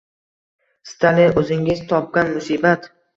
Stalin — o’zingiz topgan musibat!..